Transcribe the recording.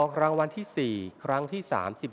อครั้งวันที่๔ครั้งที่๓๗